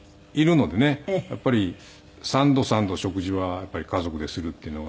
やっぱり三度三度食事は家族でするっていうのが。